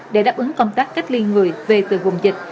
để đáp ứng công tác cách ly người về từ vùng dịch